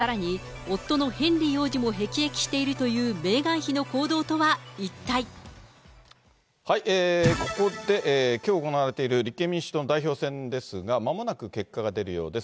さらに、夫のヘンリー王子もへきえきしているというメーガン妃の行動とはここで、きょう行われている立憲民主党の代表選ですが、まもなく結果が出るようです。